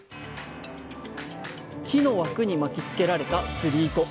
木の枠に巻きつけられた釣り糸。